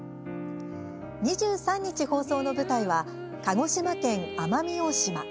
２３日放送の舞台は鹿児島、奄美大島。